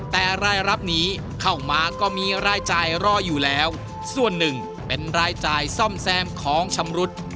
แต่รายรับนี้เข้ามาก็มีรายจ่ายรออยู่แล้วส่วนหนึ่งเป็นรายจ่ายซ่อมแซมของชำรุด